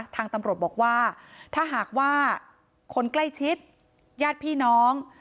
ทางตำรวจบอกว่าถ้าหากว่าคนใกล้ชิดญาติพี่น้อง